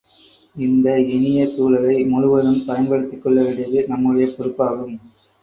இந்த இனிய சூழலை முழுவதும் பயன் படுத்திக்கொள்ள வேண்டியது நம்முடைய பொறுப்பாகும்.